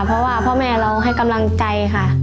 เพราะว่าพ่อแม่เราให้กำลังใจค่ะ